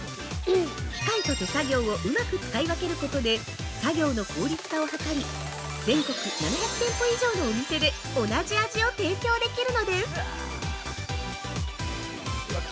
機械と手作業をうまく使い分けることで作業の効率化を図り全国７００店舗以上のお店で同じ味を提供できるのです。